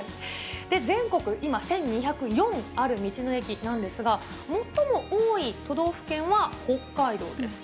全国、今、１４０４ある道の駅なんですが、最も多い都道府県は北海道です。